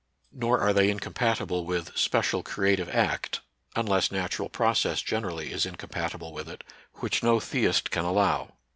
Nor are they incompatible with "special creative act," unless natural process generally is incom patible with it, — which no theist can allow.